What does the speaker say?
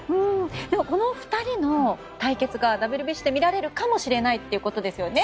でもこの２人の対決がＷＢＣで見られるかもしれないということですよね。